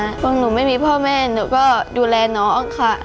พวกหนูไม่มีพ่อแม่หนูก็ดูแลน้องค่ะ